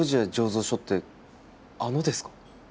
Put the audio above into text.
醸造所ってあのですか？